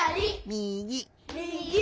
みぎ！